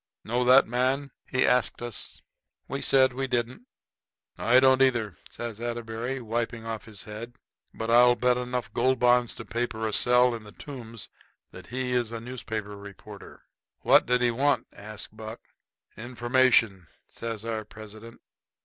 "Know that man?" he asked us. We said we didn't. "I don't either," says Atterbury, wiping off his head; "but I'll bet enough Gold Bonds to paper a cell in the Tombs that he's a newspaper reporter." "What did he want?" asks Buck. "Information," says our president.